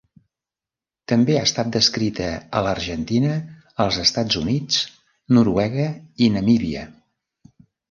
També ha estat descrita a l'Argentina, els Estats Units, Noruega i Namíbia.